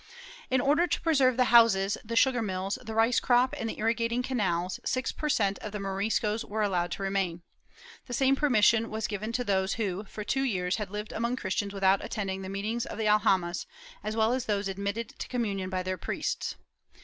In order to preserve the houses, the sugar mills, the rice crop and the irrigating canals, six per cent, of the Moriscos were allowed to remain. The same permission was given to those who, for two years, had lived among Christians without attending the meetings of the al jamas, as well as those admitted to com munion by their priests.